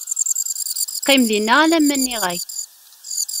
Qqim dinna alamma nniɣ-ak-d.